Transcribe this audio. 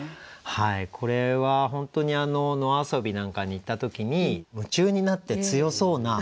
これは本当に野遊びなんかに行った時に夢中になって強そうな